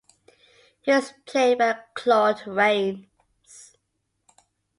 He was played by Claude Rains.